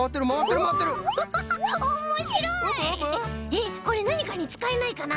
えっこれなにかにつかえないかな？